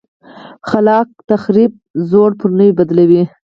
خلاق تخریب زوړ پر نوي بدلوي.